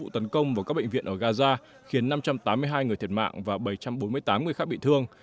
vụ tấn công vào các bệnh viện ở gaza khiến năm trăm tám mươi hai người thiệt mạng và bảy trăm bốn mươi tám người khác bị thương